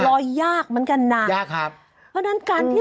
ยากเหมือนกันน่ะยากครับเพราะฉะนั้นการที่